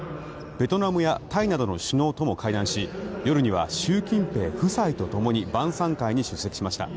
ベトナムやタイなどの首脳らとも会談し夜には習近平夫妻とともに晩さん会に出席しました。